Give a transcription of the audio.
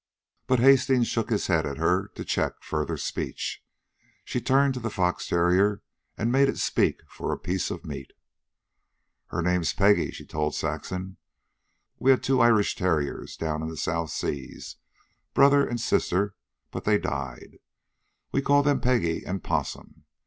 But Hastings shook his head at her to check further speech. She turned to the fox terrier and made it speak for a piece of meat. "Her name's Peggy," she told Saxon. "We had two Irish terriers down in the South Seas, brother and sister, but they died. We called them Peggy and Possum.